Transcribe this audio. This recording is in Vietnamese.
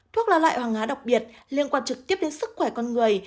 thuốc là loại hoàng há đặc biệt liên quan trực tiếp đến sức khỏe con người